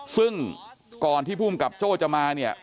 ซึ่งก่อนที่ภูมิกับโจ้จะมาเนี่ย